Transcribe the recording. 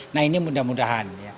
nah ini mudah mudahan